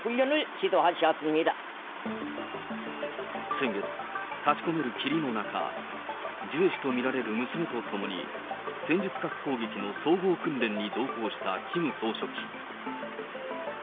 先月、立ちこめる霧の中、ジュエ氏と見られる娘と共に、戦術核攻撃の総合訓練に同行したキム総書記。